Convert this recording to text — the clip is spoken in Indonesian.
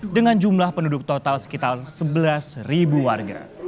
dengan jumlah penduduk total sekitar sebelas warga